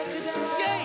イェイ！